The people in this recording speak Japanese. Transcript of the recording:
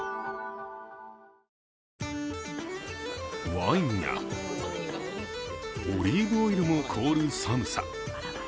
ワインやオリーブオイルも凍る寒さ。